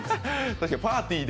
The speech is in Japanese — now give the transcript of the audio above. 確かにパーティーで。